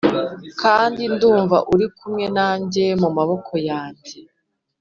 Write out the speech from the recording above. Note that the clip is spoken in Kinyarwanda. kandi ndumva uri kumwe nanjye mumaboko yanjye